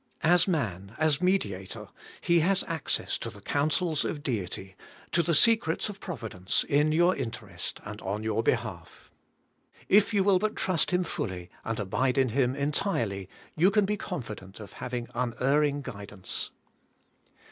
As Man, as Mediator, He has access to the counsels of Deity, to the secrets of Providence, in your interest, and on your behalf. If you will but trust Him fully, and abide in Him entirely, you can be confident of having unerring guidance.